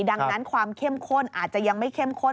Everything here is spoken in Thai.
ดังนั้นความเข้มข้นอาจจะยังไม่เข้มข้น